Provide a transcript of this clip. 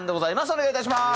お願いいたします！